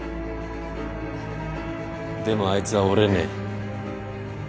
でもあいつは折れねえ。